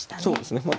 そうですね。